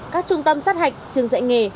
các trung tâm sát hạch trường dạy nghề